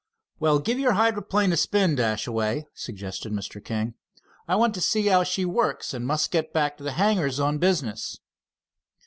"Well, give your hydroplane a spin, Dashaway," suggested Mr. King. "I want to see how she works, and must get back to the hangars on business."